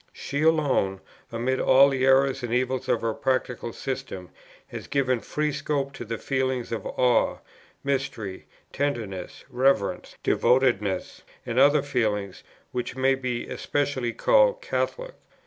She alone, amid all the errors and evils of her practical system, has given free scope to the feelings of awe, mystery, tenderness, reverence, devotedness, and other feelings which may be especially called Catholic.